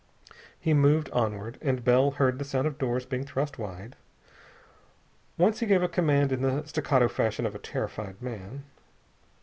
He moved onward, and Bell heard the sound of doors being thrust wide. Once he gave a command in the staccato fashion of a terrified man.